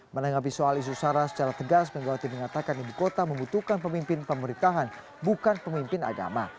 menanggapi soal isu sara secara tegas megawati mengatakan ibu kota membutuhkan pemimpin pemerintahan bukan pemimpin agama